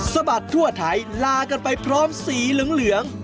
บัดทั่วไทยลากันไปพร้อมสีเหลือง